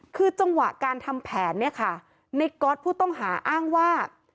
คือจังหวะการทำแผนในก็อดผู้ต้องหาอ้างว่า